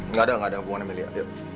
nggak ada nggak ada hubungannya sama lia